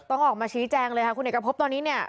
ต้องออกมาชี้แจงเลยค่ะคุณเอกพบตอนนี้เนี่ย